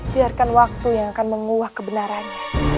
biarkan waktu yang akan menguah kebenarannya